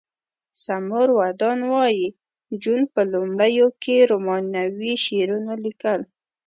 سمور ودان وایی جون په لومړیو کې رومانوي شعرونه لیکل